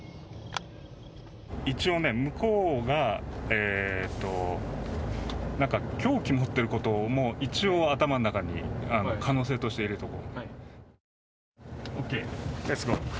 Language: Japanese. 一応、向こうが凶器持っていることも一応、頭の中に可能性として入れておこう。